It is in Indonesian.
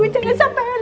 jangan sampai lepas